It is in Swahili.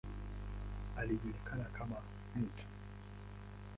Alijulikana kama ""Mt.